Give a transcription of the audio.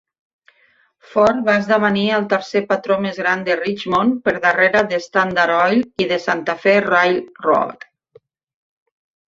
Ford va esdevenir el tercer patró més gran de Richmond, per darrere de Standard Oil i de Santa Fe Railroad.